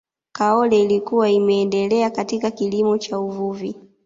kaole ilikuwa imeendelea katika kilimo na uvuvi